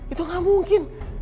itu gak mungkin